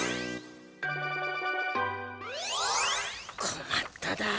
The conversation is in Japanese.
こまっただ。